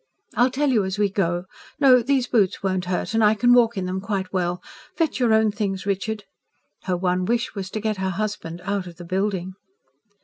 "I'll tell you as we go. No, these boots won't hurt. And I can walk in them quite well. Fetch your own things, Richard." Her one wish was to get her husband out of the building.